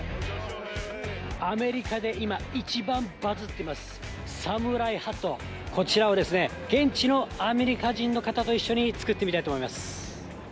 アメリカで今、一番バズってます、サムライハット、こちらを、現地のアメリカ人の方と一緒に作ってみたいと思います。